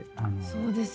そうですよね。